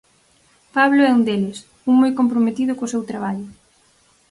Pablo é un deles, un moi comprometido co seu traballo.